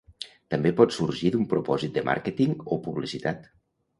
També pot sorgir d'un propòsit de màrqueting o publicitat.